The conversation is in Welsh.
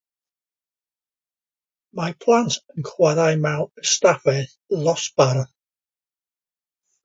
Mae plant yn chwarae mewn ystafell ddosbarth.